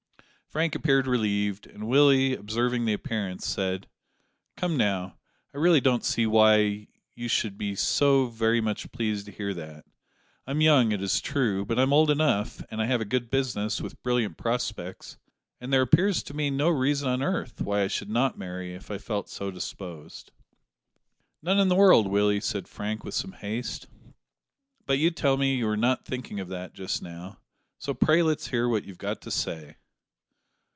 Frank appeared relieved, and Willie, observing the appearance, said "Come, now, I really don't see why you should be so very much pleased to hear that. I'm young, it is true, but I'm old enough, and I have a good business, with brilliant prospects, and there appears to me no reason on earth why I should not marry if I felt so disposed." "None in the world, Willie," said Frank, with some haste, "but you tell me you are not thinking of that just now; so pray let's hear what you've got to say."